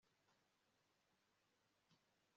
Nkubwoba twumva dufite buzashira